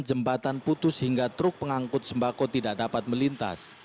jembatan putus hingga truk pengangkut sembako tidak dapat melintas